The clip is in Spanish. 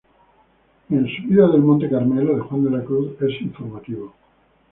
En "Subida del Monte Carmelo" de Juan de la Cruz es informativo.